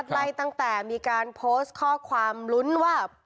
ไล่ตั้งแต่มีการโพสต์ข้อความลุ้นว่า